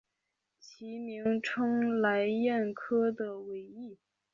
其名称来燕科的尾翼。